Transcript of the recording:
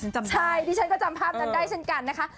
ใช่ที่ฉันก็จำภาพนั้นได้เช่นกันนะคะ